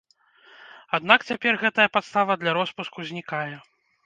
Аднак цяпер гэтая падстава для роспуску знікае.